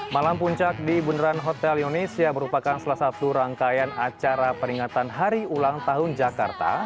malam puncak di bundaran hotel indonesia merupakan salah satu rangkaian acara peringatan hari ulang tahun jakarta